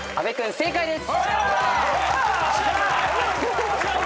正解です！